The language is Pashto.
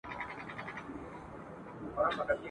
پر مخ د مځکي د جنتونو !.